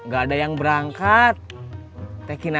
gak ada yang berangkat